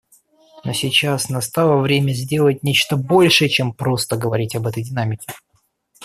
Но сейчас настало время сделать нечто большее, чем просто говорить об этой динамике.